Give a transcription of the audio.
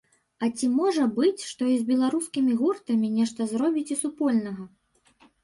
А ці можа быць, што і з беларускімі гуртамі нешта зробіце супольнага?